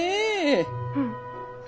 ☎うん。